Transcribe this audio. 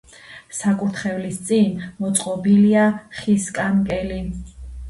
საკურთხევლის წინ მოწყობილია ხის კანკელი.